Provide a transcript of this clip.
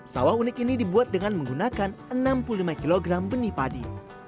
sawah unik ini dibuat dengan menggunakan enam puluh lima kg benih padi